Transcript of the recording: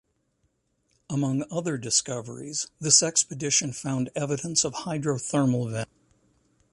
Among other discoveries, this expedition found evidence of hydrothermal vents.